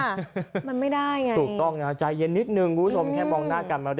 มันไม่ได้ไงถูกต้องนะใจเย็นนิดหนึ่งรู้สมแค่มองหน้ากัน